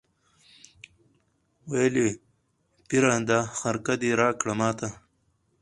ویل پیره دا خرقه دي راکړه ماته